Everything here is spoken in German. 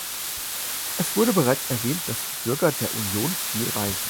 Es wurde bereits erwähnt, dass die Bürger der Union viel reisen.